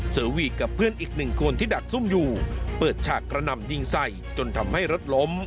สาววีกับเพื่อนอีกหนึ่งคนที่ดักซุ่มอยู่เปิดฉากกระหน่ำยิงใส่จนทำให้รถล้ม